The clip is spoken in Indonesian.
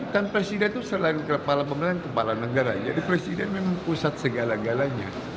kan presiden itu selain kepala pemerintahan kepala negara jadi presiden memang pusat segala galanya